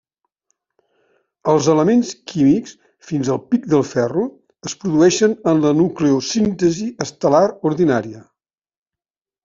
Els elements químics fins al pic del ferro es produeixen en la nucleosíntesi estel·lar ordinària.